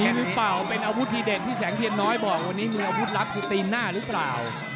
หรือเปล่าเป็นอาวุธทีเด่นที่แสงเทียนน้อยบอกวันนี้มีอาวุธลับคือตีนหน้าหรือเปล่า